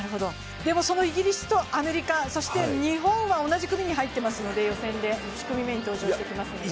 でもそのイギリスとアメリカ、そして日本が同じ組に出てますので予選で登場してきますので。